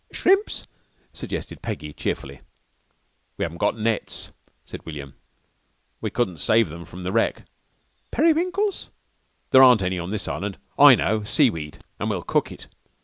"Shrimps?" suggested Peggy cheerfully. "We haven't got nets," said William. "We couldn't save them from the wreck." "Periwinkles?" "There aren't any on this island. I know! Seaweed! An' we'll cook it."